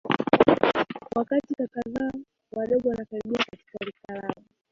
wakati kaka zao wadogo wanakaribia katika rika lao